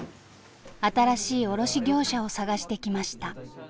新しい卸業者を探してきました。